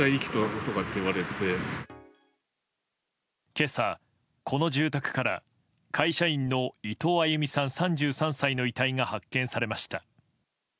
今朝、この住宅から会社員の伊藤亜佑美さん、３３歳の遺体が発見されました。